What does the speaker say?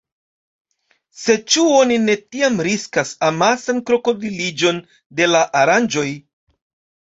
Sed ĉu oni ne tiam riskas amasan krokodiliĝon de la aranĝoj?